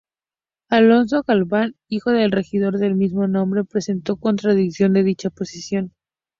Alonso Galván, hijo del regidor del mismo nombre, presentó contradicción de dicha posesión.